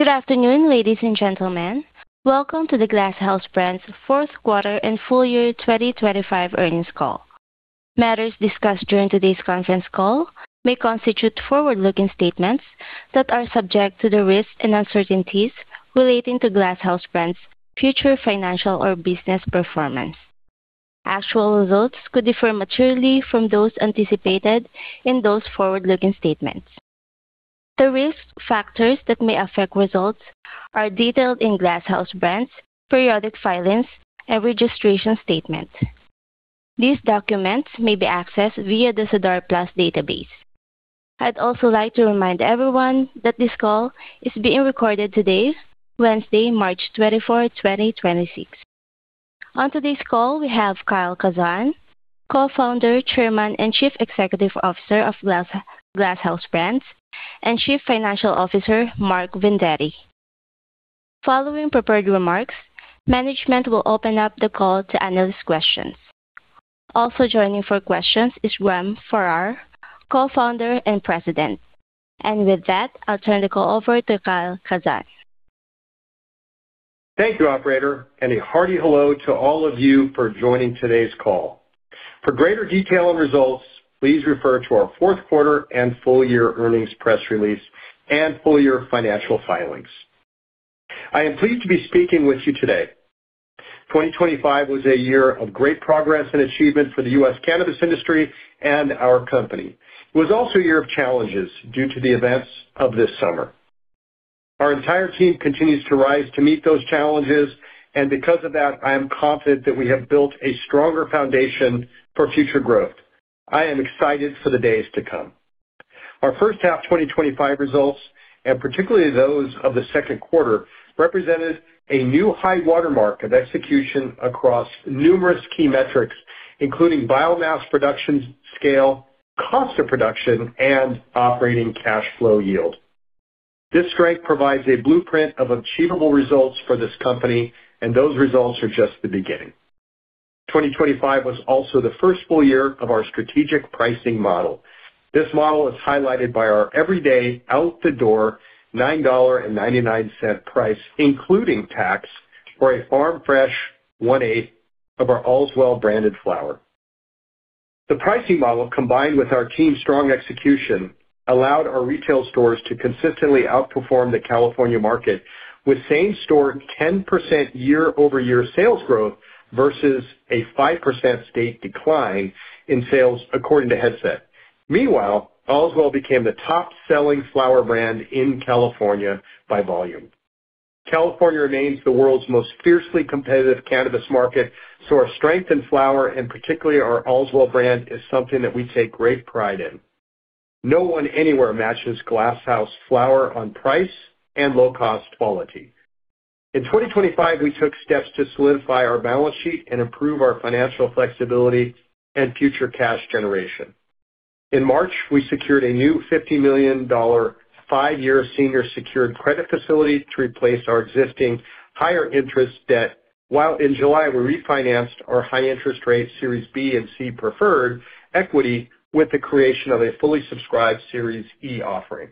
Good afternoon, ladies and gentlemen. Welcome to the Glass House Brands Fourth Quarter and Full Year 2025 Earnings Call. Matters discussed during today's conference call may constitute forward-looking statements that are subject to the risks and uncertainties relating to Glass House Brands future financial or business performance. Actual results could differ materially from those anticipated in those forward-looking statements. The risk factors that may affect results are detailed in Glass House Brands periodic filings and registration statements. These documents may be accessed via the SEDAR+ database. I'd also like to remind everyone that this call is being recorded today, Wednesday, March 24, 2026. On today's call, we have Kyle Kazan, Co-Founder, Chairman, and Chief Executive Officer of Glass House Brands, and Chief Financial Officer Mark Vendetti. Following prepared remarks, management will open up the call to analyst questions. Also joining for questions is Graham Farrar, Co-Founder and President. With that, I'll turn the call over to Kyle Kazan. Thank you, operator, and a hearty hello to all of you for joining today's call. For greater detail on results, please refer to our fourth quarter and full year earnings press release and full year financial filings. I am pleased to be speaking with you today. 2025 was a year of great progress and achievement for the U.S. cannabis industry and our company. It was also a year of challenges due to the events of this summer. Our entire team continues to rise to meet those challenges, and because of that, I am confident that we have built a stronger foundation for future growth. I am excited for the days to come. Our first half 2025 results, and particularly those of the second quarter, represented a new high watermark of execution across numerous key metrics, including biomass production scale, cost of production, and operating cash flow yield. This strength provides a blueprint of achievable results for this company, and those results are just the beginning. 2025 was also the first full year of our strategic pricing model. This model is highlighted by our everyday out the door $9.99 price, including tax, for a farm-fresh 1/8 of our Allswell branded flower. The pricing model, combined with our team's strong execution, allowed our retail stores to consistently outperform the California market, with same-store 10% year-over-year sales growth versus a 5% state decline in sales according to Headset. Meanwhile, Allswell became the top-selling flower brand in California by volume. California remains the world's most fiercely competitive cannabis market, so our strength in flower, and particularly our Allswell brand, is something that we take great pride in. No one anywhere matches Glass House Flower on price and low-cost quality. In 2025, we took steps to solidify our balance sheet and improve our financial flexibility and future cash generation. In March, we secured a new $50 million five-year senior secured credit facility to replace our existing higher interest debt, while in July, we refinanced our high interest rate Series B and C preferred equity with the creation of a fully subscribed Series E offering.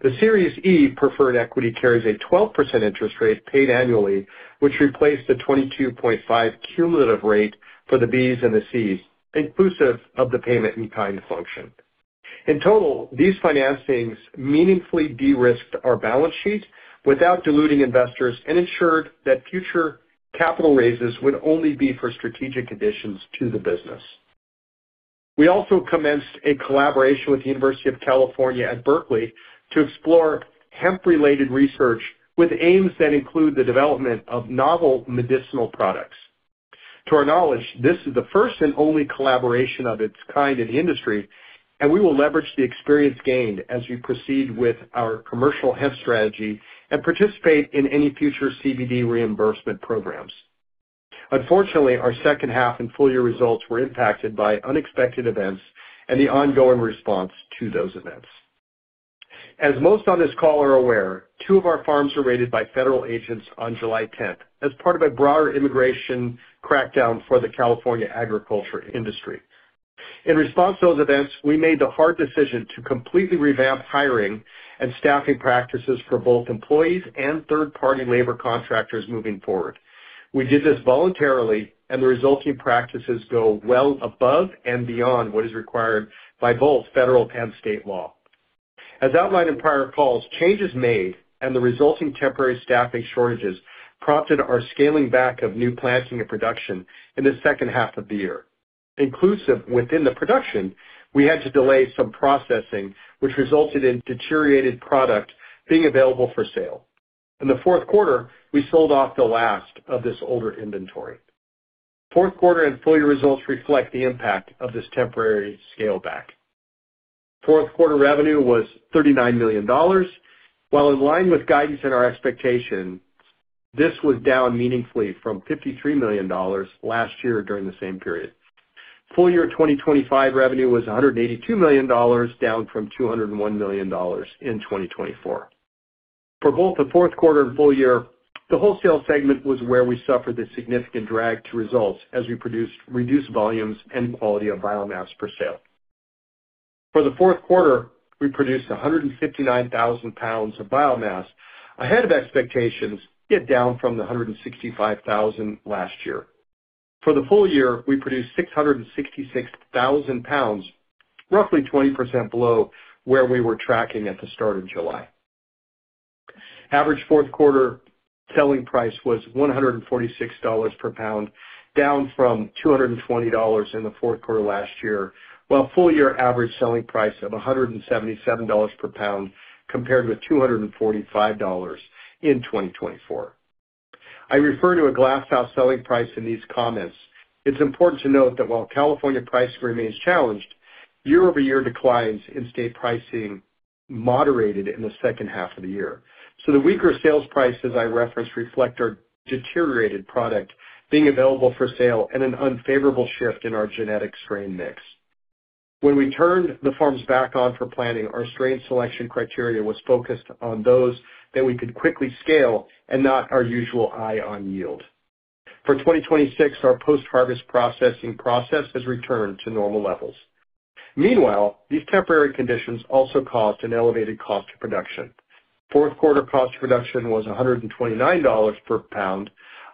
The Series E preferred equity carries a 12% interest rate paid annually, which replaced the 22.5% cumulative rate for the Bs and the Cs, inclusive of the payment in-kind function. In total, these financings meaningfully de-risked our balance sheet without diluting investors and ensured that future capital raises would only be for strategic additions to the business. We also commenced a collaboration with the University of California, Berkeley to explore hemp-related research with aims that include the development of novel medicinal products. To our knowledge, this is the first and only collaboration of its kind in the industry, and we will leverage the experience gained as we proceed with our commercial hemp strategy and participate in any future CBD reimbursement programs. Unfortunately, our second half and full-year results were impacted by unexpected events and the ongoing response to those events. As most on this call are aware, two of our farms were raided by federal agents on July 10 as part of a broader immigration crackdown for the California agriculture industry. In response to those events, we made the hard decision to completely revamp hiring and staffing practices for both employees and third-party labor contractors moving forward. We did this voluntarily, and the resulting practices go well above and beyond what is required by both federal and state law. As outlined in prior calls, changes made and the resulting temporary staffing shortages prompted our scaling back of new planting and production in the second half of the year. Inclusive within the production, we had to delay some processing, which resulted in deteriorated product being available for sale. In the fourth quarter, we sold off the last of this older inventory. Fourth quarter and full year results reflect the impact of this temporary scale back. Fourth quarter revenue was $39 million. While in line with guidance and our expectations, this was down meaningfully from $53 million last year during the same period. Full year 2025 revenue was $182 million, down from $201 million in 2024. For both the fourth quarter and full year, the wholesale segment was where we suffered a significant drag to results as we produced reduced volumes and quality of biomass for sale. For the fourth quarter, we produced 159,000 lbs of biomass, ahead of expectations, yet down from the 165,000 last year. For the full year, we produced 666,000 lbs, roughly 20% below where we were tracking at the start of July. Average fourth quarter selling price was $146 per pound, down from $220 in the fourth quarter last year, while full year average selling price of $177 per pound compared with $245 in 2024. I refer to a Glass House selling price in these comments. It's important to note that while California price remains challenged, year-over-year declines in state pricing moderated in the second half of the year. The weaker sales prices I referenced reflect our deteriorated product being available for sale and an unfavorable shift in our genetic strain mix. When we turned the farms back on for planning, our strain selection criteria was focused on those that we could quickly scale and not our usual eye on yield. For 2026, our post-harvest processing process has returned to normal levels. Meanwhile, these temporary conditions also caused an elevated cost of production. Fourth quarter cost of production was $129 per pound,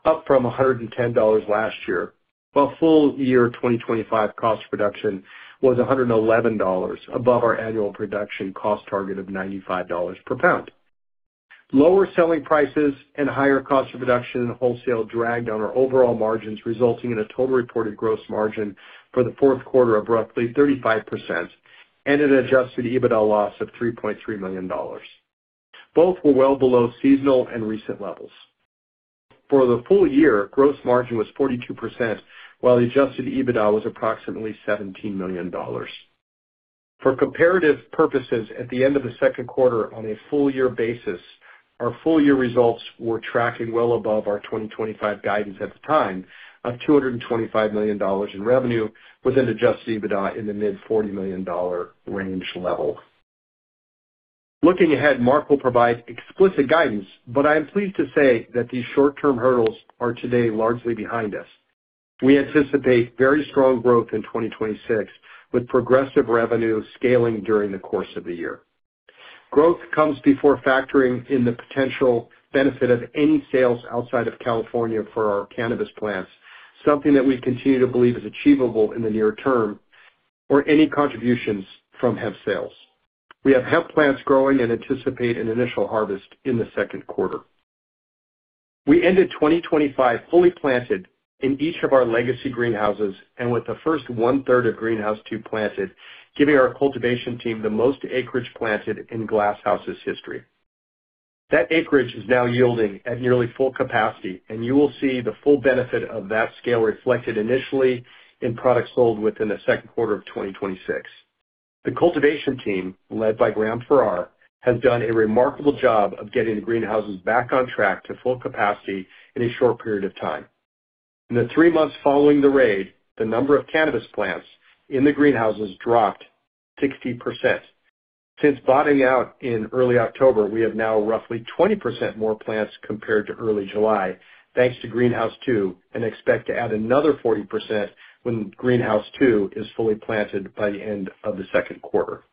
up from $110 last year, while full year 2025 cost of production was $111 above our annual production cost target of $95 per pound. Lower selling prices and higher cost of production in wholesale dragged on our overall margins, resulting in a total reported gross margin for the fourth quarter of roughly 35% and an adjusted EBITDA loss of $3.3 million. Both were well below seasonal and recent levels. For the full year, gross margin was 42%, while the adjusted EBITDA was approximately $17 million. For comparative purposes, at the end of the second quarter on a full year basis, our full year results were tracking well above our 2025 guidance at the time of $225 million in revenue with an adjusted EBITDA in the mid-$40 million range level. Looking ahead, Mark will provide explicit guidance, but I am pleased to say that these short-term hurdles are today largely behind us. We anticipate very strong growth in 2026, with progressive revenue scaling during the course of the year. Growth comes before factoring in the potential benefit of any sales outside of California for our cannabis plants, something that we continue to believe is achievable in the near term or any contributions from hemp sales. We have hemp plants growing and anticipate an initial harvest in the second quarter. We ended 2025 fully planted in each of our legacy greenhouses and with the first 1/3 of Greenhouse 2 planted, giving our cultivation team the most acreage planted in Glass House's history. That acreage is now yielding at nearly full capacity, and you will see the full benefit of that scale reflected initially in products sold within the second quarter of 2026. The cultivation team, led by Graham Farrar, has done a remarkable job of getting the greenhouses back on track to full capacity in a short period of time. In the three months following the raid, the number of cannabis plants in the greenhouses dropped 60%. Since bottoming out in early October, we have now roughly 20% more plants compared to early July, thanks to Greenhouse 2, and expect to add another 40% when Greenhouse 2 is fully planted by the end of the second quarter.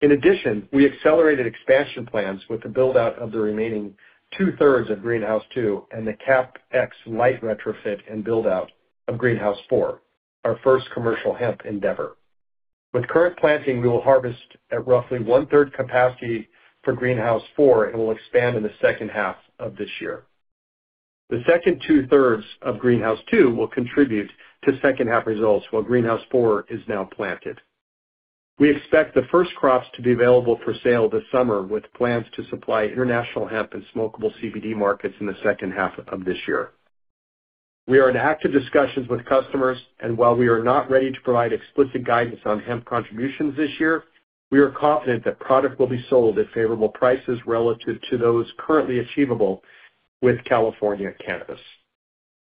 In addition, we accelerated expansion plans with the build-out of the remaining 2/3 of Greenhouse 2 and the CapEx light retrofit and build-out of Greenhouse 4, our first commercial hemp endeavor. With current planting, we will harvest at roughly 1/3 capacity for Greenhouse 4 and will expand in the second half of this year. The second 2/3 of Greenhouse 2 will contribute to second half results while Greenhouse 4 is now planted. We expect the first crops to be available for sale this summer, with plans to supply international hemp and smokable CBD markets in the second half of this year. We are in active discussions with customers, and while we are not ready to provide explicit guidance on hemp contributions this year, we are confident that product will be sold at favorable prices relative to those currently achievable with California cannabis.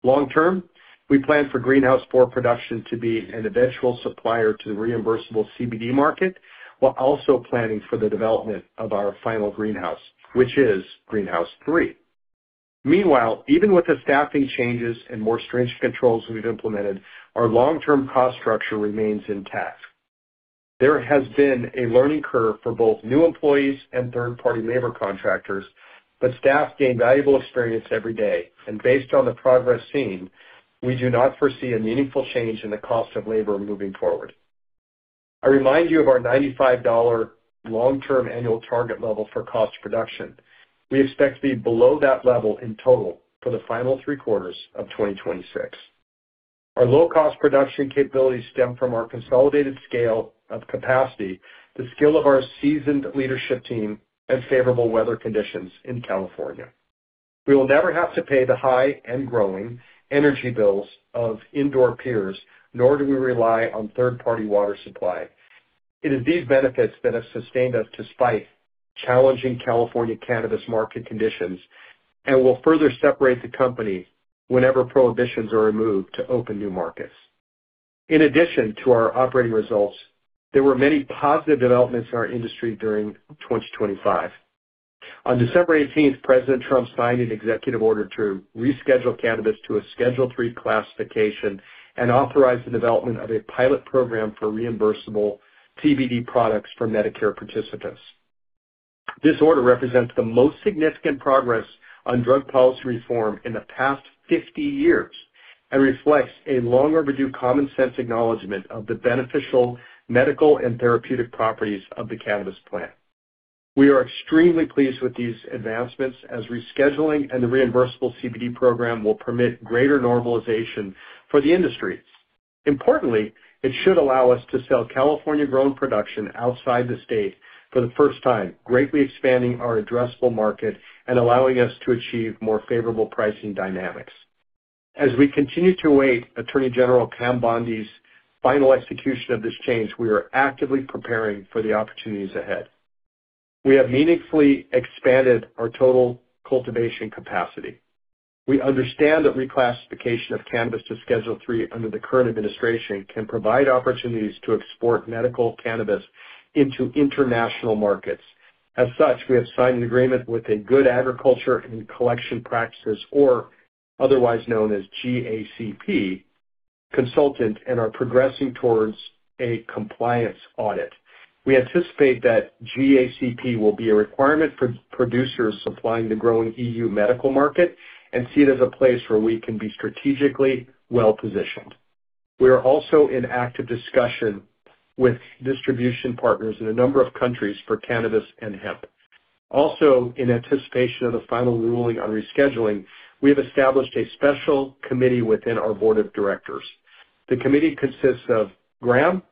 Long-term, we plan for Greenhouse 4 production to be an eventual supplier to the reimbursable CBD market while also planning for the development of our final greenhouse, which is Greenhouse 3. Meanwhile, even with the staffing changes and more stringent controls we've implemented, our long-term cost structure remains intact. There has been a learning curve for both new employees and third-party labor contractors, but staff gain valuable experience every day. Based on the progress seen, we do not foresee a meaningful change in the cost of labor moving forward. I remind you of our $95 long-term annual target level for cost of production. We expect to be below that level in total for the final three quarters of 2026. Our low-cost production capabilities stem from our consolidated scale of capacity, the skill of our seasoned leadership team, and favorable weather conditions in California. We will never have to pay the high and growing energy bills of indoor peers, nor do we rely on third-party water supply. It is these benefits that have sustained us despite challenging California cannabis market conditions and will further separate the company whenever prohibitions are removed to open new markets. In addition to our operating results, there were many positive developments in our industry during 2025. On December 18, President Trump signed an executive order to reschedule cannabis to a Schedule III classification and authorized the development of a pilot program for reimbursable CBD products for Medicare participants. This order represents the most significant progress on drug policy reform in the past 50 years and reflects a long overdue common sense acknowledgment of the beneficial medical and therapeutic properties of the cannabis plant. We are extremely pleased with these advancements as rescheduling and the reimbursable CBD program will permit greater normalization for the industry. Importantly, it should allow us to sell California-grown production outside the state for the first time, greatly expanding our addressable market and allowing us to achieve more favorable pricing dynamics. As we continue to await Attorney General Pam Bondi's final execution of this change, we are actively preparing for the opportunities ahead. We have meaningfully expanded our total cultivation capacity. We understand that reclassification of cannabis to Schedule III under the current administration can provide opportunities to export medical cannabis into international markets. As such, we have signed an agreement with a Good Agricultural and Collection Practices, or otherwise known as GACP, consultant and are progressing towards a compliance audit. We anticipate that GACP will be a requirement for producers supplying the growing EU medical market and see it as a place where we can be strategically well-positioned. We are also in active discussion with distribution partners in a number of countries for cannabis and hemp. Also, in anticipation of the final ruling on rescheduling, we have established a special committee within our Board of Directors. The committee consists of Graham,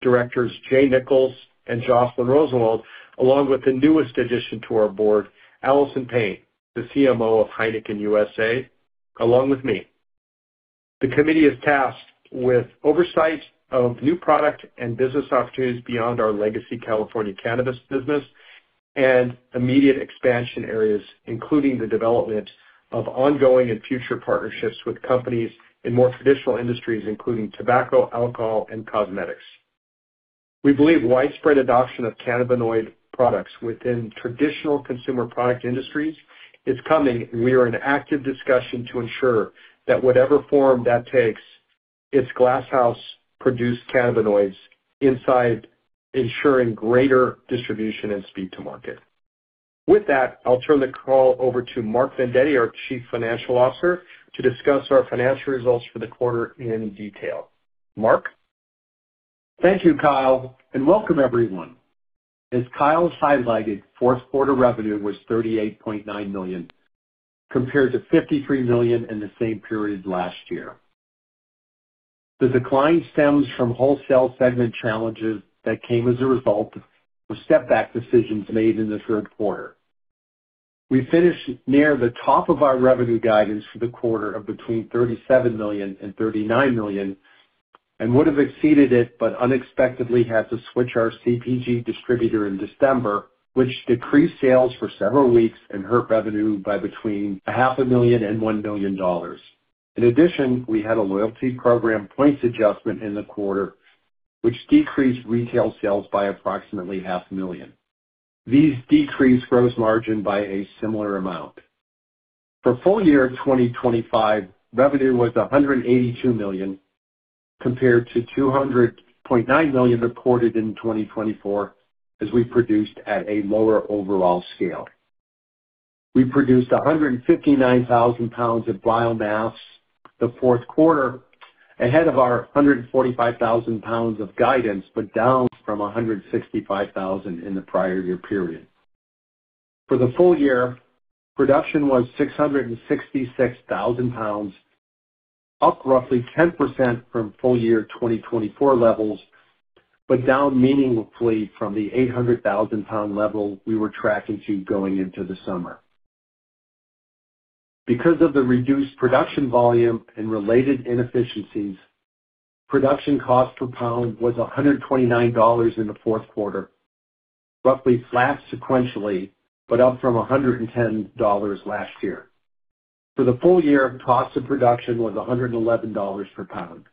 directors Jay Nichols and Jocelyn Rosenwald, along with the newest addition to our board, Alison Payne, the CMO of Heineken USA, along with me. The committee is tasked with oversight of new product and business opportunities beyond our legacy California cannabis business and immediate expansion areas, including the development of ongoing and future partnerships with companies in more traditional industries, including tobacco, alcohol, and cosmetics. We believe widespread adoption of cannabinoid products within traditional consumer product industries is coming, and we are in active discussion to ensure that whatever form that takes, it's Glass House-produced cannabinoids inside ensuring greater distribution and speed to market. With that, I'll turn the call over to Mark Vendetti, our Chief Financial Officer, to discuss our financial results for the quarter in detail. Mark? Thank you, Kyle, and welcome everyone. As Kyle highlighted, fourth quarter revenue was $38.9 million, compared to $53 million in the same period last year. The decline stems from wholesale segment challenges that came as a result of step back decisions made in the third quarter. We finished near the top of our revenue guidance for the quarter of between $37 million and $39 million and would have exceeded it, but unexpectedly had to switch our CPG distributor in December, which decreased sales for several weeks and hurt revenue by between $0.5 million and $1 million. In addition, we had a loyalty program points adjustment in the quarter, which decreased retail sales by approximately $0.5 million. These decreased gross margin by a similar amount. For full year 2025, revenue was $182 million, compared to $200.9 million reported in 2024, as we produced at a lower overall scale. We produced 159,000 lbs of biomass the fourth quarter, ahead of our 145,000 lbs of guidance, but down from 165,000 in the prior year period. For the full year, production was 666,000 lbs, up roughly 10% from full year 2024 levels, but down meaningfully from the 800,000-pound level we were tracking to going into the summer. Because of the reduced production volume and related inefficiencies, production cost per pound was $129 in the fourth quarter, roughly flat sequentially, but up from $110 last year. For the full year, cost of production was $111 per pound.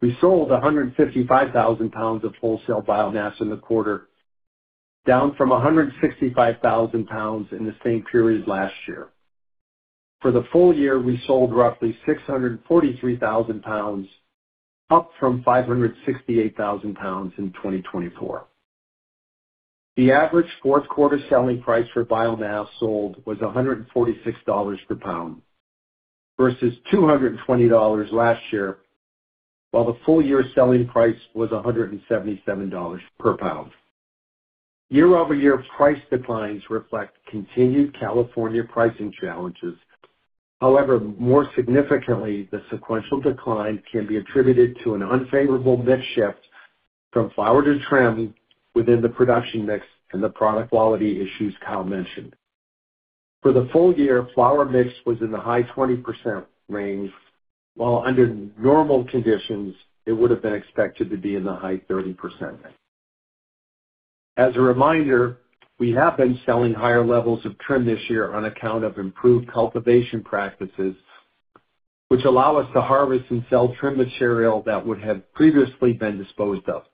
We sold 155,000 lbs of wholesale biomass in the quarter, down from 165,000 lbs in the same period last year. For the full year, we sold roughly 643,000 lbs, up from 568,000 lbs in 2024. The average fourth quarter selling price for biomass sold was $146 per pound versus $220 last year, while the full year selling price was $177 per pound. Year-over-year price declines reflect continued California pricing challenges. However, more significantly, the sequential decline can be attributed to an unfavorable mix shift from flower to trim within the production mix and the product quality issues Kyle mentioned. For the full year, flower mix was in the high 20% range, while under normal conditions it would have been expected to be in the high 30% range. As a reminder, we have been selling higher levels of trim this year on account of improved cultivation practices, which allow us to harvest and sell trim material that would have previously been disposed of.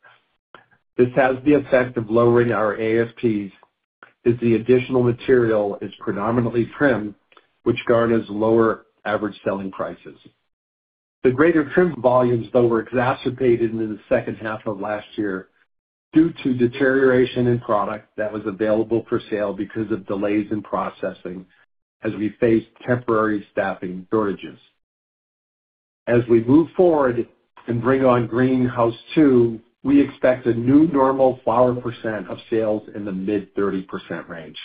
This has the effect of lowering our ASPs as the additional material is predominantly trim, which garners lower average selling prices. The greater trim volumes, though, were exacerbated in the second half of last year due to deterioration in product that was available for sale because of delays in processing as we faced temporary staffing shortages. As we move forward and bring on Greenhouse 2, we expect a new normal flower percent of sales in the mid 30% range.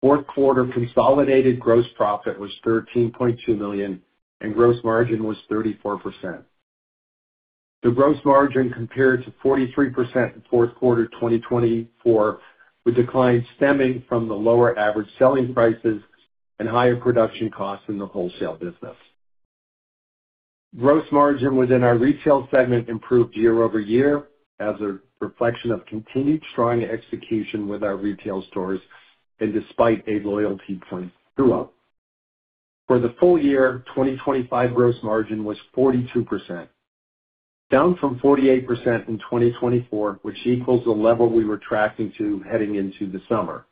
Fourth quarter consolidated gross profit was $13.2 million, and gross margin was 34%. The gross margin compared to 43% in fourth quarter 2024, with declines stemming from the lower average selling prices and higher production costs in the wholesale business. Gross margin within our retail segment improved year-over-year as a reflection of continued strong execution with our retail stores and despite a loyalty point blowout. For the full year 2025, gross margin was 42%, down from 48% in 2024, which equals the level we were tracking to heading into the summer.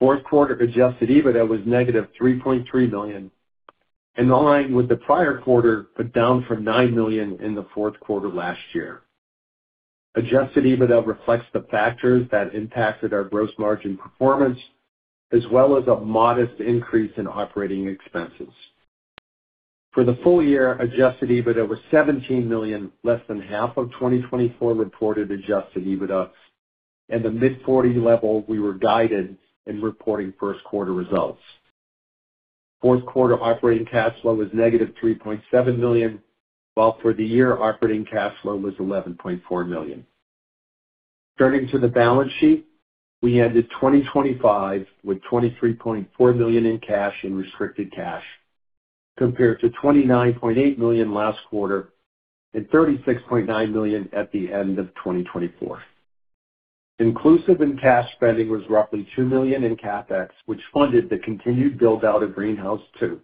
Fourth quarter adjusted EBITDA was negative $3.3 million, in line with the prior quarter, but down from $9 million in the fourth quarter last year. Adjusted EBITDA reflects the factors that impacted our gross margin performance as well as a modest increase in operating expenses. For the full year, adjusted EBITDA was $17 million, less than half of 2024 reported adjusted EBITDA and the mid-40 level we were guided in reporting first quarter results. Fourth quarter operating cash flow was negative $3.7 million, while for the year, operating cash flow was $11.4 million. Turning to the balance sheet, we ended 2025 with $23.4 million in cash and restricted cash, compared to $29.8 million last quarter and $36.9 million at the end of 2024. Inclusive in cash spending was roughly $2 million in CapEx, which funded the continued build-out of Greenhouse 2.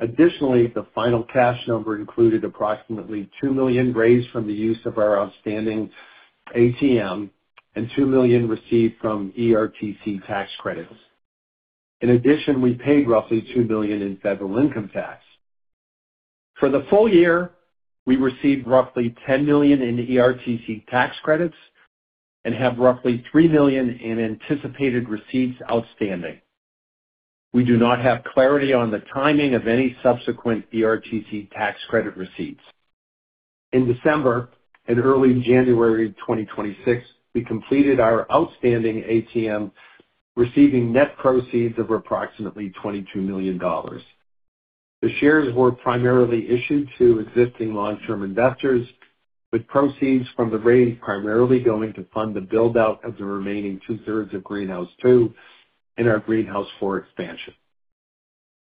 Additionally, the final cash number included approximately $2 million raised from the use of our outstanding ATM and $2 million received from ERTC tax credits. In addition, we paid roughly $2 million in federal income tax. For the full year, we received roughly $10 million in ERTC tax credits and have roughly $3 million in anticipated receipts outstanding. We do not have clarity on the timing of any subsequent ERTC tax credit receipts. In December and early January 2026, we completed our outstanding ATM, receiving net proceeds of approximately $22 million. The shares were primarily issued to existing long-term investors, with proceeds from the raid primarily going to fund the build-out of the remaining 2/3 of Greenhouse 2 and our Greenhouse 4 expansion.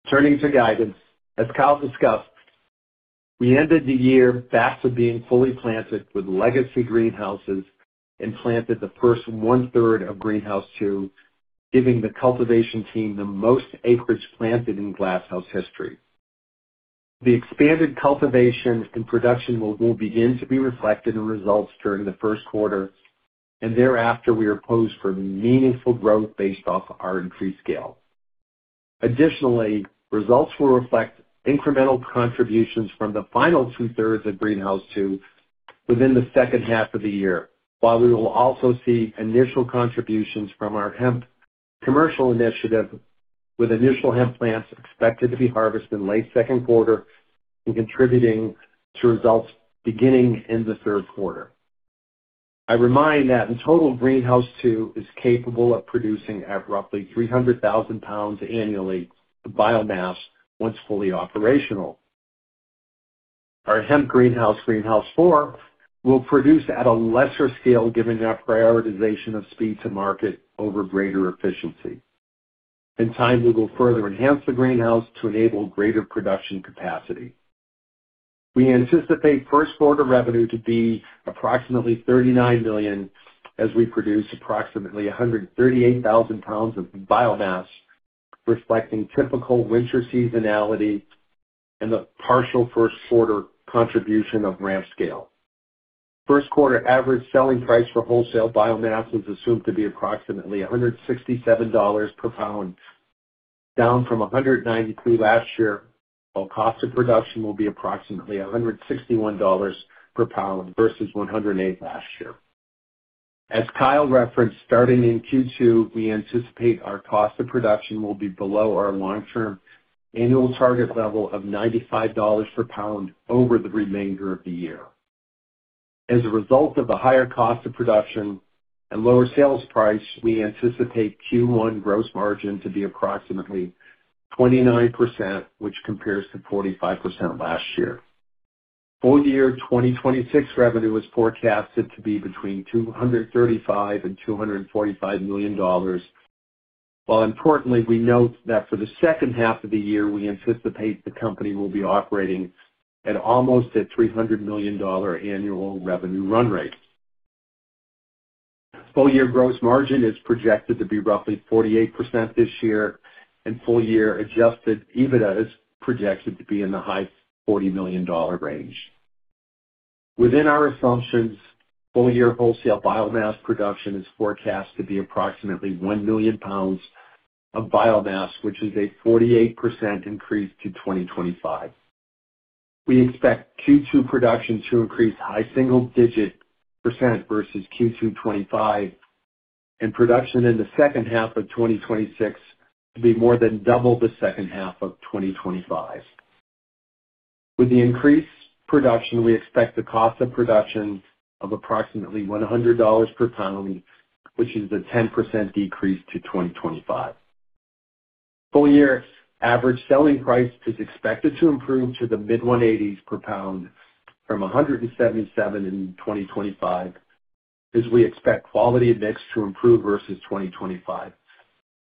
Turning to guidance, as Kyle discussed, we ended the year back to being fully planted with legacy greenhouses and planted the first 1/3 of Greenhouse 2, giving the cultivation team the most acreage planted in Glass House history. The expanded cultivation and production will begin to be reflected in results during the first quarter, and thereafter we are posed for meaningful growth based off our increased scale. Additionally, results will reflect incremental contributions from the final 2/3 of Greenhouse 2 within the second half of the year, while we will also see initial contributions from our hemp commercial initiative, with initial hemp plants expected to be harvested in late second quarter and contributing to results beginning in the third quarter. I remind that in total, Greenhouse 2 is capable of producing at roughly 300,000 lbs annually of biomass once fully operational. Our hemp greenhouse, Greenhouse 4, will produce at a lesser scale given our prioritization of speed to market over greater efficiency. In time, we will further enhance the greenhouse to enable greater production capacity. We anticipate first quarter revenue to be approximately $39 million as we produce approximately 138,000 lbs of biomass, reflecting typical winter seasonality and the partial first quarter contribution of ramp scale. First quarter average selling price for wholesale biomass is assumed to be approximately $167 per pound, down from $193 last year, while cost of production will be approximately $161 per pound versus $108 last year. As Kyle referenced, starting in Q2, we anticipate our cost of production will be below our long-term annual target level of $95 per pound over the remainder of the year. As a result of the higher cost of production and lower sales price, we anticipate Q1 gross margin to be approximately 29%, which compares to 45% last year. Full year 2026 revenue is forecasted to be between $235 million and $245 million, while importantly, we note that for the second half of the year, we anticipate the company will be operating at almost a $300 million annual revenue run rate. Full year gross margin is projected to be roughly 48% this year, and full year adjusted EBITDA is projected to be in the high $40 million range. Within our assumptions, full year wholesale biomass production is forecast to be approximately 1 million lbs of biomass, which is a 48% increase to 2025. We expect Q2 production to increase high single digit percent versus Q2 2025, and production in the second half of 2026 to be more than double the second half of 2025. With the increased production, we expect the cost of production of approximately $100 per pound, which is a 10% decrease to 2025. Full year average selling price is expected to improve to the mid-$180s per pound from $177 in 2025, as we expect quality mix to improve versus 2025,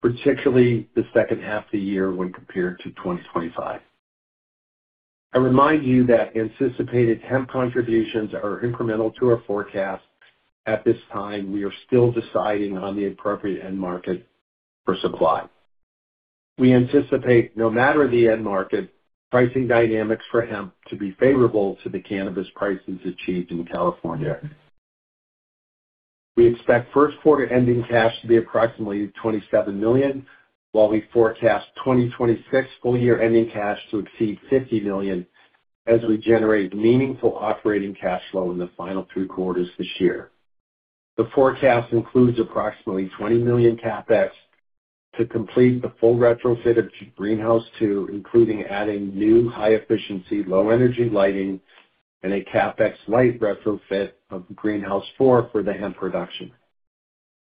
particularly the second half of the year when compared to 2025. I remind you that anticipated hemp contributions are incremental to our forecast. At this time, we are still deciding on the appropriate end market for supply. We anticipate, no matter the end market, pricing dynamics for hemp to be favorable to the cannabis prices achieved in California. We expect first quarter ending cash to be approximately $27 million, while we forecast 2026 full year ending cash to exceed $50 million as we generate meaningful operating cash flow in the final two quarters this year. The forecast includes approximately $20 million CapEx to complete the full retrofit of Greenhouse 2, including adding new high efficiency, low energy lighting, and a CapEx light retrofit of Greenhouse 4 for the hemp production.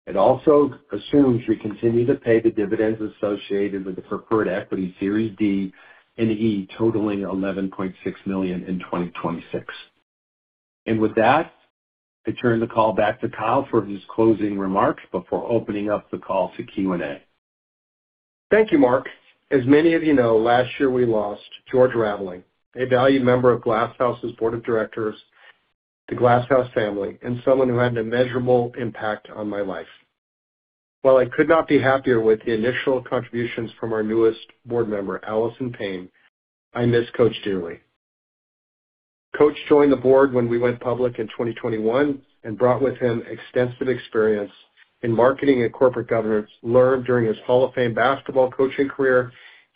It also assumes we continue to pay the dividends associated with the preferred equity Series D and E, totaling $11.6 million in 2026. With that, I turn the call back to Kyle for his closing remarks before opening up the call to Q&A. Thank you, Mark. As many of you know, last year we lost George Raveling, a valued member of Glass House's Board of Directors, the Glass House family, and someone who had a measurable impact on my life. While I could not be happier with the initial contributions from our newest board member, Alison Payne, I miss Coach dearly. Coach joined the board when we went public in 2021 and brought with him extensive experience in marketing and corporate governance learned during his Hall of Fame basketball coaching career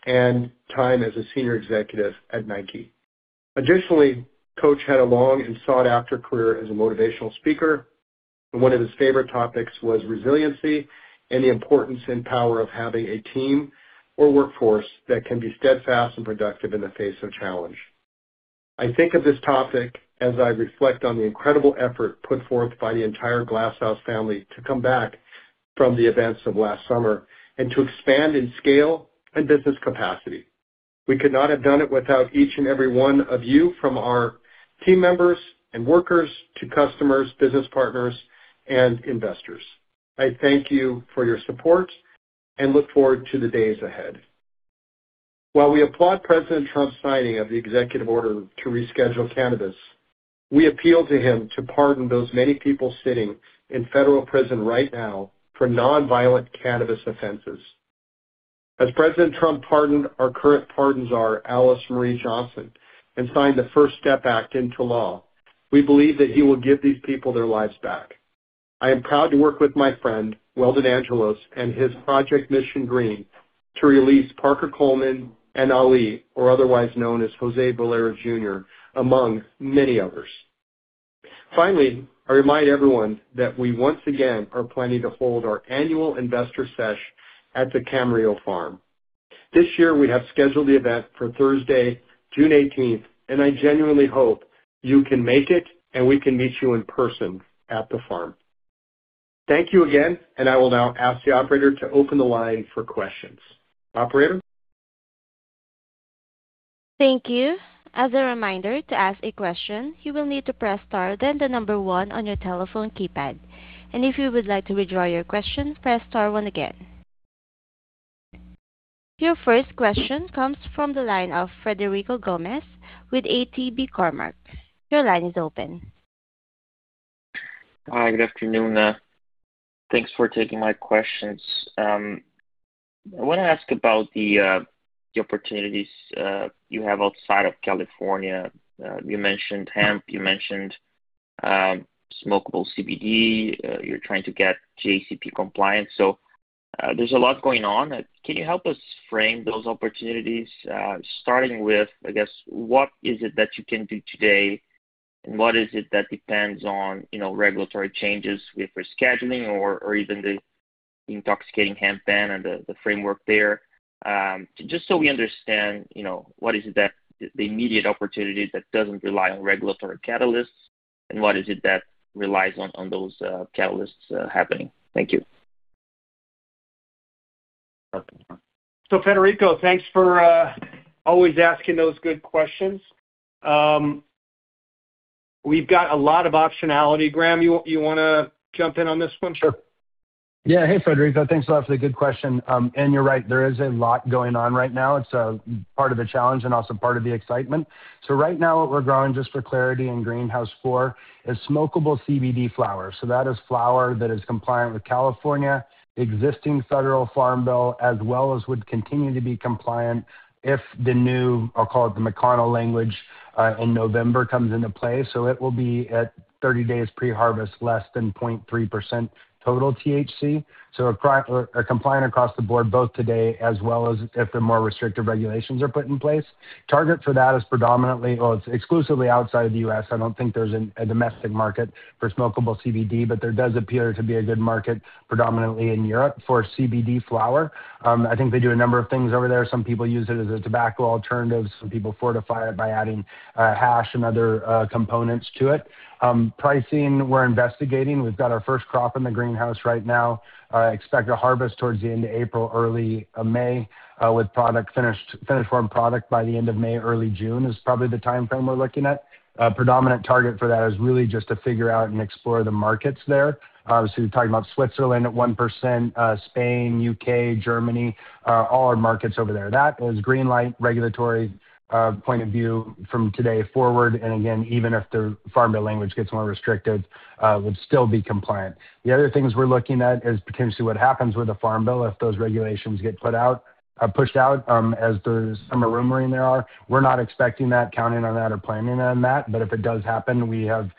and time as a senior executive at Nike. Additionally, Coach had a long and sought-after career as a motivational speaker, and one of his favorite topics was resiliency and the importance and power of having a team or workforce that can be steadfast and productive in the face of challenge. I think of this topic as I reflect on the incredible effort put forth by the entire Glass House family to come back from the events of last summer and to expand in scale and business capacity. We could not have done it without each and every one of you, from our team members and workers to customers, business partners, and investors. I thank you for your support and look forward to the days ahead. While we applaud President Trump's signing of the executive order to reschedule cannabis, we appeal to him to pardon those many people sitting in federal prison right now for non-violent cannabis offenses. As President Trump pardoned our current pardon czar, Alice Marie Johnson, and signed the First Step Act into law, we believe that he will give these people their lives back. I am proud to work with my friend, Weldon Angelos, and his project, Mission Green, to release Parker Coleman and Ali, or otherwise known as Jose Valero Jr., among many others. Finally, I remind everyone that we once again are planning to hold our Annual Investor Sesh at the Camarillo Farm. This year we have scheduled the event for Thursday, June 18, and I genuinely hope you can make it and we can meet you in person at the farm. Thank you again, and I will now ask the operator to open the line for questions. Operator? Thank you. As a reminder, to ask a question, you will need to press Star, then the number one on your telephone keypad. If you would like to withdraw your question, press Star one again. Your first question comes from the line of Frederico Gomes with ATB Cormark. Your line is open. Hi. Good afternoon. Thanks for taking my questions. I wanna ask about the opportunities you have outside of California. You mentioned hemp, you mentioned smokable CBD. You're trying to get GACP compliance. There's a lot going on. Can you help us frame those opportunities, starting with, I guess, what is it that you can do today, and what is it that depends on, you know, regulatory changes with rescheduling or even the intoxicating hemp ban and the framework there? Just so we understand, you know, what is it that the immediate opportunity that doesn't rely on regulatory catalysts and what is it that relies on those catalysts happening? Thank you. Frederico, thanks for always asking those good questions. We've got a lot of optionality. Graham, you wanna jump in on this one? Sure. Yeah. Hey Frederico. Thanks a lot for the good question. You're right, there is a lot going on right now. It's part of the challenge and also part of the excitement. Right now, what we're growing, just for clarity, in Greenhouse 4 is smokable CBD flower. That is flower that is compliant with California's existing federal farm bill, as well as would continue to be compliant if the new, I'll call it the McConnell language, in November comes into play. It will be at 30 days pre-harvest, less than 0.3% total THC, compliant across the board both today as well as if the more restrictive regulations are put in place. Target for that is exclusively outside of the U.S. I don't think there's a domestic market for smokable CBD, but there does appear to be a good market, predominantly in Europe, for CBD flower. I think they do a number of things over there. Some people use it as a tobacco alternative. Some people fortify it by adding hash and other components to it. Pricing, we're investigating. We've got our first crop in the greenhouse right now. Expect a harvest towards the end of April, early May, with product finished farm product by the end of May. Early June is probably the timeframe we're looking at. Predominant target for that is really just to figure out and explore the markets there. You're talking about Switzerland at 1%, Spain, U.K., Germany, all our markets over there. That is green light regulatory point of view from today forward. Again, even if the Farm Bill language gets more restrictive, would still be compliant. The other things we're looking at is potentially what happens with the Farm Bill if those regulations get pushed out, as there are some rumors right now. We're not expecting that, counting on that, or planning on that. If it does happen, we have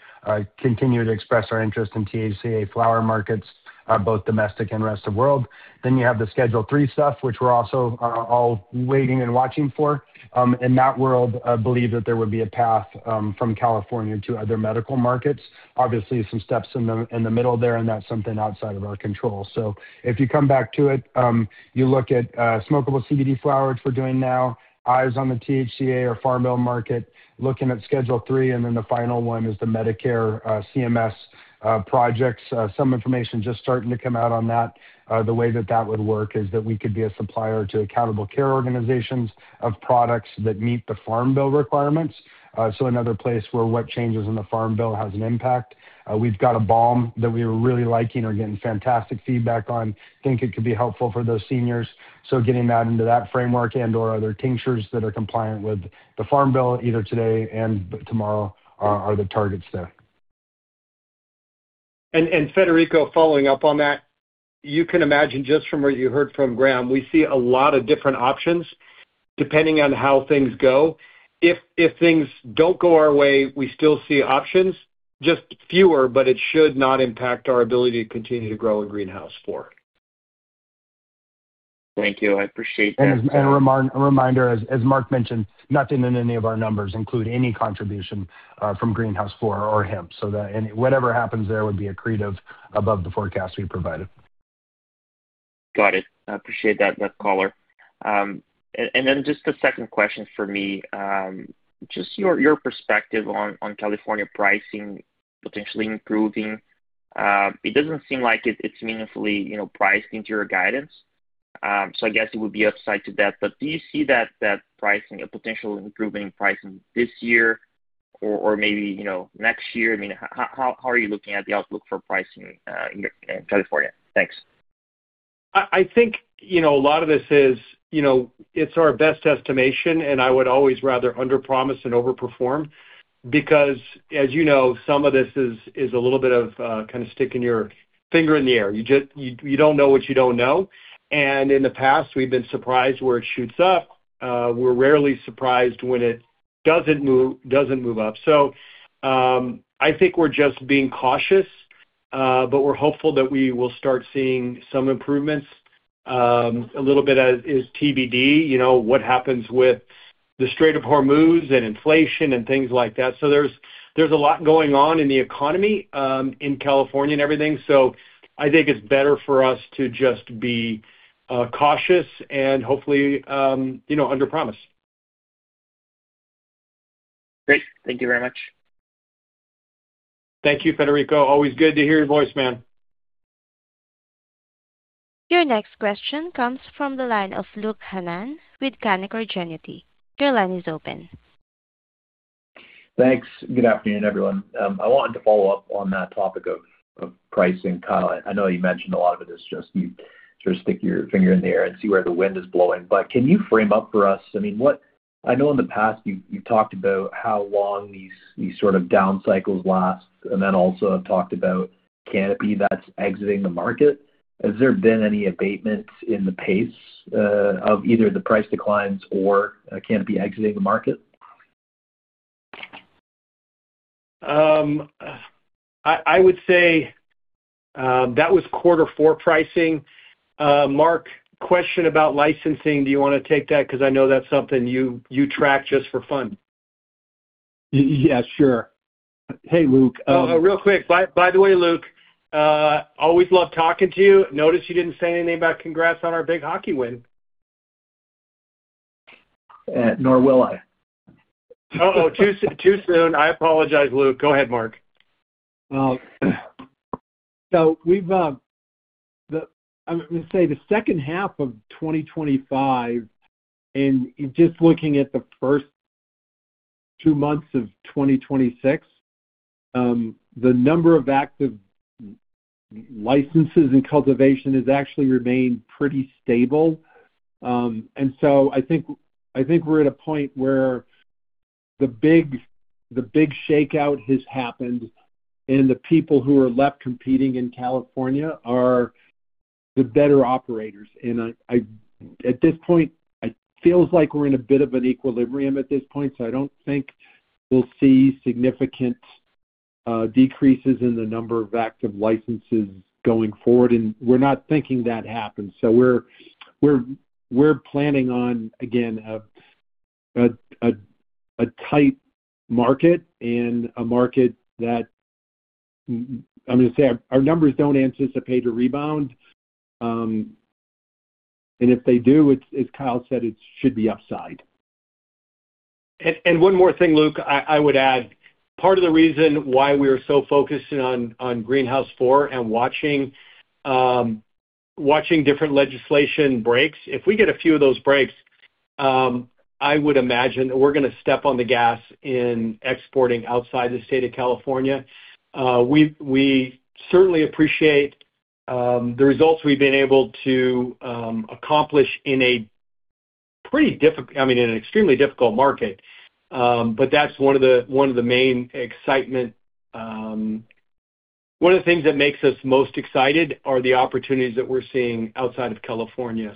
continued to express our interest in THCA flower markets, both domestic and rest of world. You have the Schedule III stuff, which we're also all waiting and watching for. In that world, I believe that there would be a path from California to other medical markets. Obviously some steps in the middle there, and that's something outside of our control. If you come back to it, you look at smokable CBD flower which we're doing now, eyes on the THCA or Farm Bill market, looking at Schedule III, and then the final one is the Medicare CMS projects. Some information just starting to come out on that. The way that that would work is that we could be a supplier to accountable care organizations of products that meet the Farm Bill requirements. Another place where what changes in the Farm Bill has an impact. We've got a balm that we are really liking or getting fantastic feedback on. Think it could be helpful for those seniors. Getting that into that framework and/or other tinctures that are compliant with the Farm Bill either today and tomorrow are the targets there. Frederico, following up on that, you can imagine just from what you heard from Graham, we see a lot of different options depending on how things go. If things don't go our way, we still see options, just fewer, but it should not impact our ability to continue to grow in Greenhouse 4. Thank you. I appreciate that. As a reminder, as Mark mentioned, nothing in any of our numbers include any contribution from Greenhouse 4 or hemp. Whatever happens, there would be accretive above the forecast we provided. Got it. I appreciate that color. Just a second question for me. Just your perspective on California pricing potentially improving. It doesn't seem like it's meaningfully, you know, priced into your guidance. I guess it would be upside to that. Do you see that pricing or potential improvement in pricing this year or maybe, you know, next year? I mean, how are you looking at the outlook for pricing in California? Thanks. I think, you know, a lot of this is, you know, it's our best estimation, and I would always rather underpromise and overperform because as you know, some of this is a little bit of kind of sticking your finger in the air. You don't know what you don't know. In the past we've been surprised where it shoots up. We're rarely surprised when it doesn't move up. I think we're just being cautious, but we're hopeful that we will start seeing some improvements. A little bit is TBD. You know, what happens with the Strait of Hormuz and inflation and things like that. There's a lot going on in the economy in California and everything. I think it's better for us to just be cautious and hopefully you know underpromise. Great. Thank you very much. Thank you, Frederico. Always good to hear your voice, man. Your next question comes from the line of Luke Hannan with Canaccord Genuity. Your line is open. Thanks. Good afternoon, everyone. I wanted to follow up on that topic of pricing. Kyle, I know you mentioned a lot of it is just you sort of stick your finger in the air and see where the wind is blowing, but can you frame up for us, I mean, what I know in the past you've talked about how long these sort of down cycles last, and then also have talked about Canopy that's exiting the market. Has there been any abatements in the pace of either the price declines or Canopy exiting the market? I would say that was quarter four pricing. Mark, question about licensing. Do you wanna take that? 'Cause I know that's something you track just for fun. Yes, sure. Hey, Luke. Oh, real quick. By the way, Luke, I always love talking to you. Notice you didn't say anything about congrats on our big hockey win. Nor will I. Too soon. I apologize, Luke. Go ahead, Mark. We've, I'm gonna say the second half of 2025, and just looking at the first two months of 2026, the number of active licenses in cultivation has actually remained pretty stable. I think we're at a point where the big shakeout has happened and the people who are left competing in California are the better operators. At this point, it feels like we're in a bit of an equilibrium at this point, so I don't think we'll see significant decreases in the number of active licenses going forward. We're not thinking that happens. We're planning on again a tight market and a market that I'm gonna say our numbers don't anticipate a rebound, and if they do, it's as Kyle said, it should be upside. One more thing, Luke, I would add, part of the reason why we are so focused on Greenhouse 4 and watching different legislation breaks. If we get a few of those breaks, I would imagine that we're gonna step on the gas in exporting outside the state of California. We've certainly appreciate the results we've been able to accomplish in a pretty difficult—I mean, in an extremely difficult market. But that's one of the main excitement—one of the things that makes us most excited are the opportunities that we're seeing outside of California.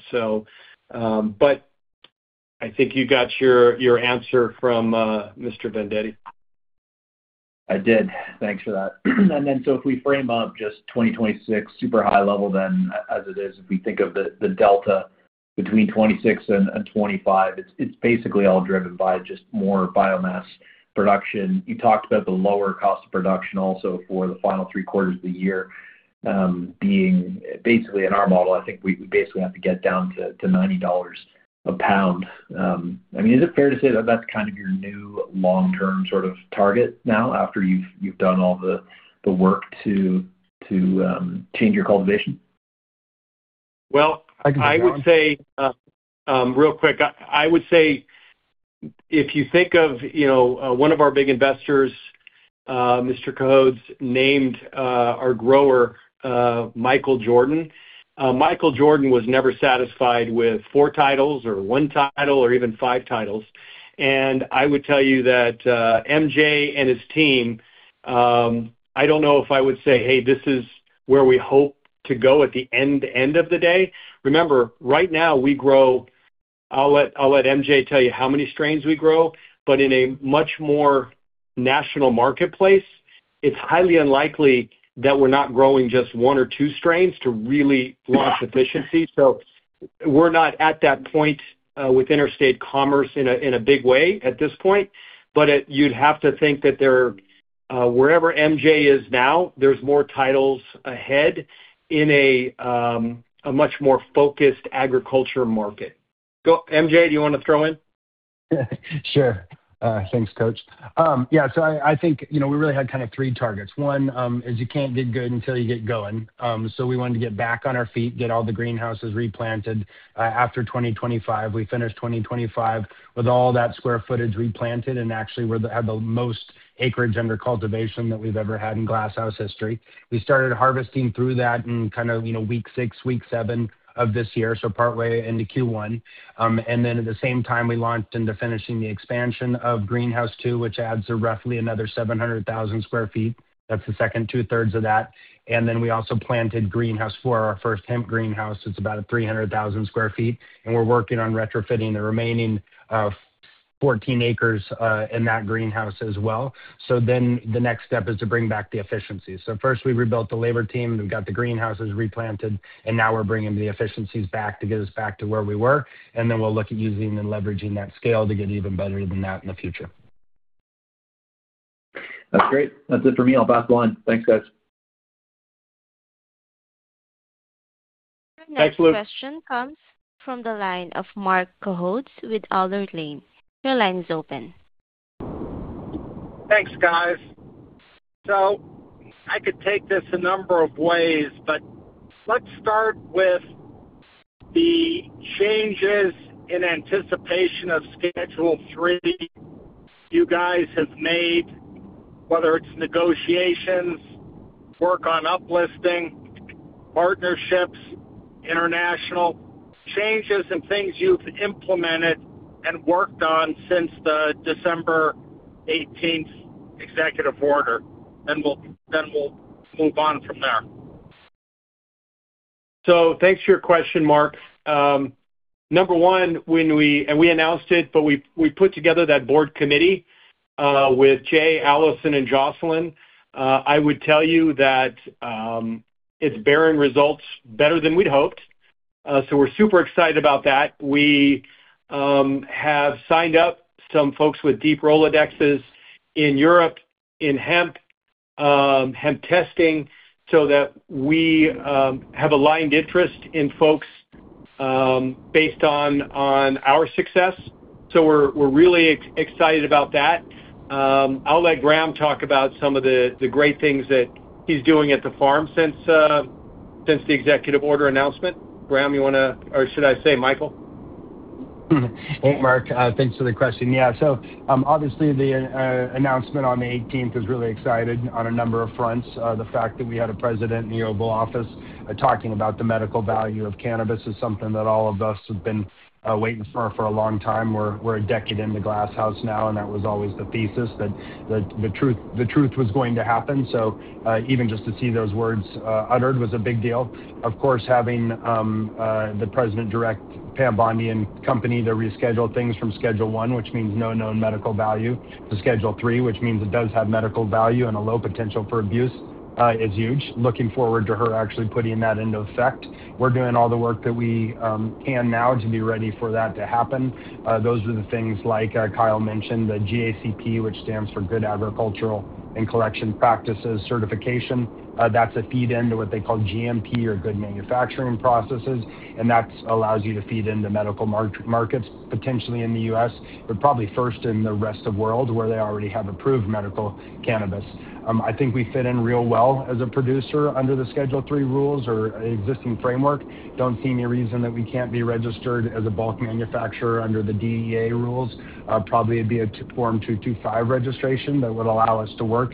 But I think you got your answer from Mr. Vendetti. I did. Thanks for that. If we frame up just 2026 super high level, then as it is, if we think of the delta between 2026 and 2025, it's basically all driven by just more biomass production. You talked about the lower cost of production also for the final three quarters of the year being basically in our model. I think we basically have to get down to $90 a pound. I mean, is it fair to say that that's kind of your new long-term sort of target now after you've done all the work to change your cultivation? Well, I would say real quick. I would say if you think of, you know, one of our big investors, Mr. Cohodes, named our grower, Michael Jordan. Michael Jordan was never satisfied with four titles or one title or even five titles. I would tell you that MJ and his team, I don't know if I would say, "Hey, this is where we hope to go at the end of the day." Remember, right now we grow. I'll let MJ tell you how many strains we grow, but in a much more national marketplace, it's highly unlikely that we're not growing just one or two strains to really launch efficiency. We're not at that point with interstate commerce in a big way at this point. You'd have to think that wherever MJ is now, there's more titles ahead in a much more focused agriculture market. Go, MJ, do you wanna throw in? Sure. Thanks, coach. Yeah, so I think, you know, we really had kind of three targets. One is you can't get good until you get going. We wanted to get back on our feet, get all the greenhouses replanted after 2025. We finished 2025 with all that square footage replanted, and actually we had the most acreage under cultivation that we've ever had in Glass House history. We started harvesting through that in kind of, you know, week six, week seven of this year, so partway into Q1. At the same time, we launched into finishing the expansion of Greenhouse 2, which adds roughly another 700,000 sq ft. That's the second 2/3 of that. We also planted Greenhouse 4, our first hemp greenhouse. It's about 300,000 sq ft, and we're working on retrofitting the remaining 14 acres in that greenhouse as well. The next step is to bring back the efficiency. First we rebuilt the labor team. We've got the greenhouses replanted, and now we're bringing the efficiencies back to get us back to where we were. We'll look at using and leveraging that scale to get even better than that in the future. That's great. That's it for me. I'll pass the line. Thanks, guys. Thanks, Luke. Our next question comes from the line of Marc Cohodes with Alder Lane. Your line is open. Thanks, guys. I could take this a number of ways, but let's start with the changes in anticipation of Schedule III you guys have made, whether it's negotiations, work on uplisting, partnerships, international changes and things you've implemented and worked on since the December 18th executive order, then we'll move on from there. Thanks for your question, Marc. Number one, when we announced it, but we put together that board committee with Jay, Alison, and Jocelyn. I would tell you that it's bearing results better than we'd hoped. We're super excited about that. We have signed up some folks with deep Rolodexes in Europe in hemp testing, so that we have aligned interest in folks based on our success. We're really excited about that. I'll let Graham talk about some of the great things that he's doing at the farm since the executive order announcement, Graham, or should I say Michael? Hey, Marc. Thanks for the question. Yeah. Obviously, the announcement on the 18th is really exciting on a number of fronts. The fact that we had a president in the Oval Office talking about the medical value of cannabis is something that all of us have been waiting for for a long time. We're a decade into Glass House now, and that was always the thesis that the truth was going to happen. Even just to see those words uttered was a big deal. Of course, having the president direct Pam Bondi and company to reschedule things from Schedule I, which means no known medical value, to Schedule III, which means it does have medical value and a low potential for abuse, is huge. Looking forward to her actually putting that into effect. We're doing all the work that we can now to be ready for that to happen. Those are the things like Kyle mentioned, the GACP, which stands for Good Agricultural and Collection Practices certification. That's a feed into what they call GMP or Good Manufacturing Processes, and that allows you to feed into medical markets, potentially in the U.S., but probably first in the rest of the world where they already have approved medical cannabis. I think we fit in real well as a producer under the Schedule III rules or existing framework. Don't see any reason that we can't be registered as a bulk manufacturer under the DEA rules. Probably it'd be a Form 225 registration that would allow us to work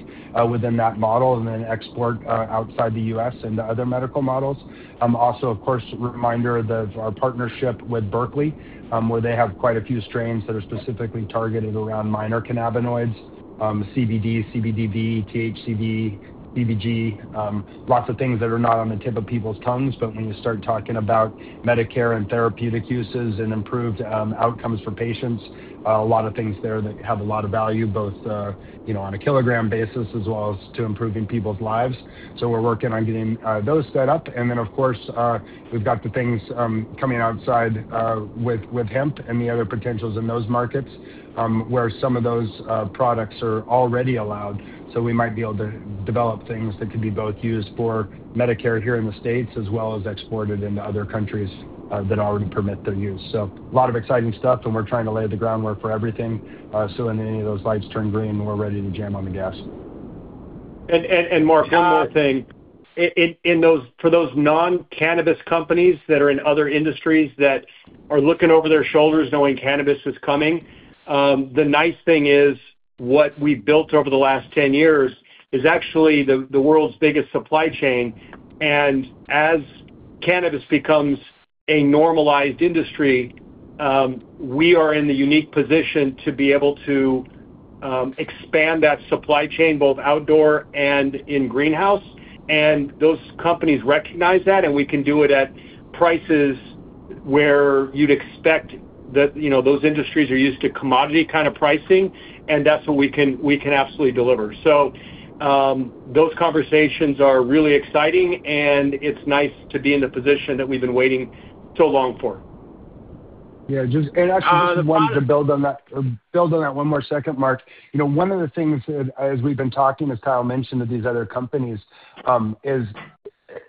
within that model and then export outside the U.S. into other medical models. Also, of course, reminder that our partnership with Berkeley, where they have quite a few strains that are specifically targeted around minor cannabinoids, CBD, CBDV, THCV, CBG, lots of things that are not on the tip of people's tongues, but when you start talking about Medicare and therapeutic uses and improved outcomes for patients, a lot of things there that have a lot of value, both, you know, on a kilogram basis as well as to improving people's lives. We're working on getting those set up. Of course, we've got the things coming outside, with hemp and the other potentials in those markets, where some of those products are already allowed. We might be able to develop things that could be both used for Medicare here in the States, as well as exported into other countries, that already permit their use. A lot of exciting stuff, and we're trying to lay the groundwork for everything, so when any of those lights turn green, we're ready to jam on the gas. Marc, one more thing. For those non-cannabis companies that are in other industries that are looking over their shoulders knowing cannabis is coming, the nice thing is what we built over the last 10 years is actually the world's biggest supply chain. As cannabis becomes a normalized industry, we are in the unique position to be able to expand that supply chain both outdoor and in greenhouse. Those companies recognize that, and we can do it at prices where you'd expect that, you know, those industries are used to commodity kind of pricing, and that's what we can absolutely deliver. Those conversations are really exciting, and it's nice to be in the position that we've been waiting so long for. Actually, just wanted to build on that one more second, Marc. You know, one of the things, as we've been talking, as Kyle mentioned, of these other companies, is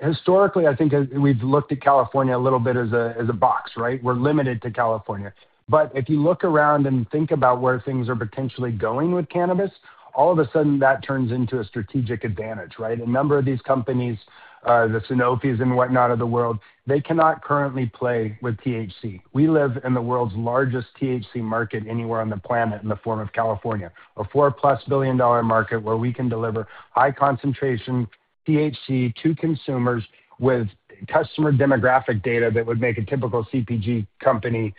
historically, I think as we've looked at California a little bit as a box, right? We're limited to California. If you look around and think about where things are potentially going with cannabis, all of a sudden that turns into a strategic advantage, right? A number of these companies, the Sanofi's and whatnot of the world, they cannot currently play with THC. We live in the world's largest THC market anywhere on the planet in the form of California, a $4 billion+ market where we can deliver high concentration THC to consumers with customer demographic data that would make a typical CPG company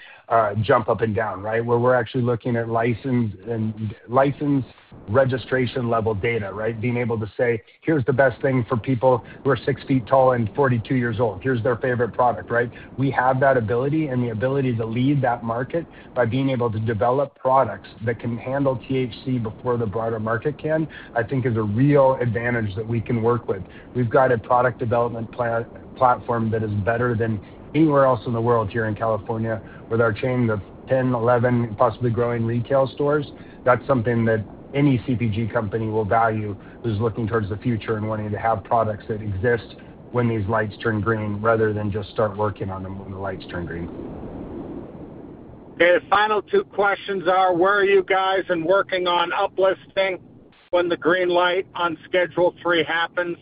jump up and down, right? Where we're actually looking at license and license registration-level data, right? Being able to say, "Here's the best thing for people who are 6 feet tall and 42 years old. Here's their favorite product," right? We have that ability and the ability to lead that market by being able to develop products that can handle THC before the broader market can, I think is a real advantage that we can work with. We've got a product development platform that is better than anywhere else in the world here in California with our chain of 10, 11, possibly growing retail stores. That's something that any CPG company will value who's looking towards the future and wanting to have products that exist when these lights turn green, rather than just start working on them when the lights turn green. Okay. The final two questions are, where are you guys in working on up-listing when the green light on Schedule III happens?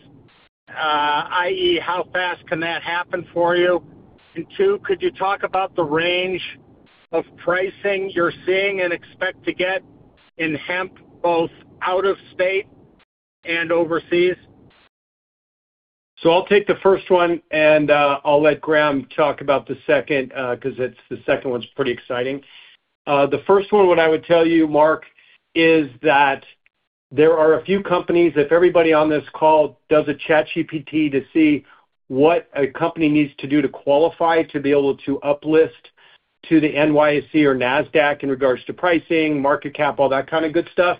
i.e., how fast can that happen for you? And two, could you talk about the range of pricing you're seeing and expect to get in hemp, both out of state and overseas? I'll take the first one, and I'll let Graham talk about the second, 'cause it's the second one's pretty exciting. The first one, what I would tell you, Marc, is that there are a few companies, if everybody on this call does a ChatGPT to see what a company needs to do to qualify to be able to up-list to the NYSE or NASDAQ in regards to pricing, market cap, all that kind of good stuff,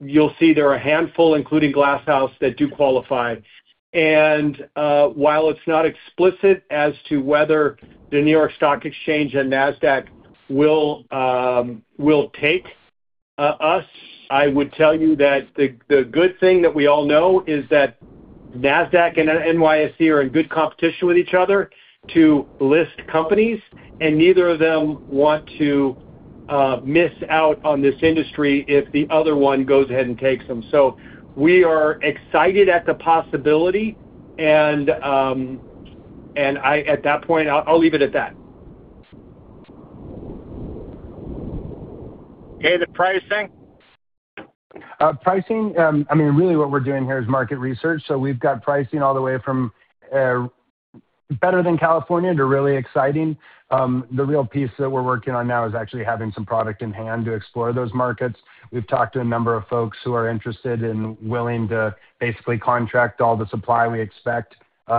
you'll see there are a handful, including Glass House, that do qualify. While it's not explicit as to whether the New York Stock Exchange and NASDAQ will take us, I would tell you that the good thing that we all know is that NASDAQ and NYSE are in good competition with each other to list companies, and neither of them want to miss out on this industry if the other one goes ahead and takes them. We are excited at the possibility and at that point, I'll leave it at that. Okay. The pricing? Pricing, I mean, really what we're doing here is market research. We've got pricing all the way from better than California to really exciting. The real piece that we're working on now is actually having some product in hand to explore those markets. We've talked to a number of folks who are interested and willing to basically contract all the supply we expect.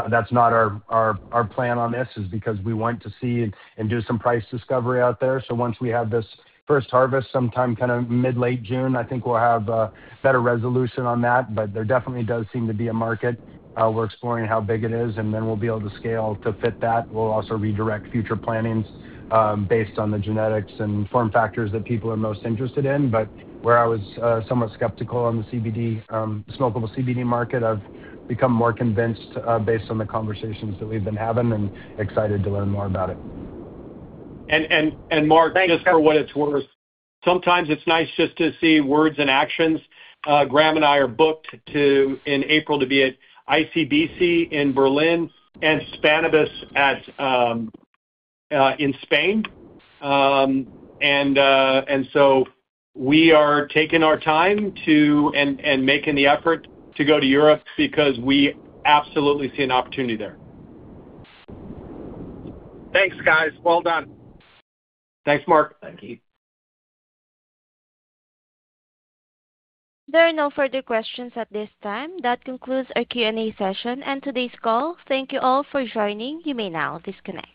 That's not our plan on this is because we want to see and do some price discovery out there. Once we have this first harvest sometime kinda mid-late June, I think we'll have a better resolution on that. There definitely does seem to be a market. We're exploring how big it is, and then we'll be able to scale to fit that. We'll also redirect future planning, based on the genetics and form factors that people are most interested in. Where I was somewhat skeptical on the CBD smokable CBD market, I've become more convinced, based on the conversations that we've been having, and excited to learn more about it. Marc, just for what it's worth, sometimes it's nice just to see words and actions. Graham and I are booked in April to be at ICBC in Berlin and Spannabis in Spain. We are taking our time and making the effort to go to Europe because we absolutely see an opportunity there. Thanks, guys. Well done. Thanks, Marc. Thank you. There are no further questions at this time. That concludes our Q&A session and today's call. Thank you all for joining. You may now disconnect.